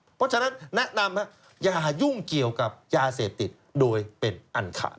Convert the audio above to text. เพราะฉะนั้นแนะนำอย่ายุ่งเกี่ยวกับยาเสพติดโดยเป็นอันขาด